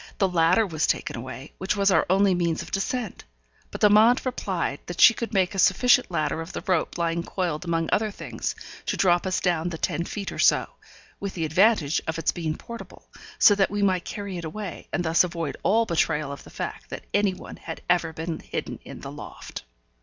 The ladder was taken away, which was our only means of descent. But Amante replied that she could make a sufficient ladder of the rope lying coiled among other things, to drop us down the ten feet or so with the advantage of its being portable, so that we might carry it away, and thus avoid all betrayal of the fact that any one had ever been hidden in the loft.